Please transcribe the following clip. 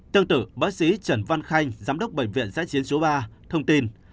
tương tự bác sĩ trần văn khanh giám đốc bệnh viện giã chiến số ba thông tin